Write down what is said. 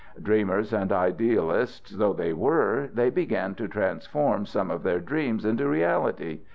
Dreamers and idealists though they were, they began to transform some of their dreams into reality.